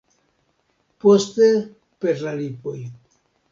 Poste per la lipoj.